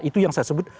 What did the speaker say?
itu yang saya sebut